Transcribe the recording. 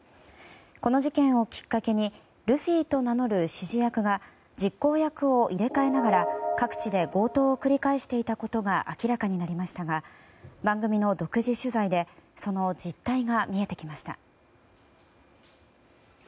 この事件をきっかけにルフィと名乗る指示役が実行役を入れ替えながら各地で強盗を繰り返していたことが明らかになりましたが番組の独自取材でその実態が見えてきました。